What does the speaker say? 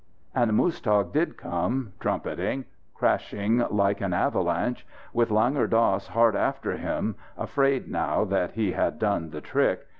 And Muztagh did come trumpeting crashing like an avalanche, with Langur Dass hard after him afraid, now that he had done the trick.